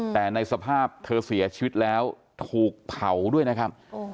แต่ในสภาพเธอเสียชีวิตแล้วถูกเผาด้วยนะครับ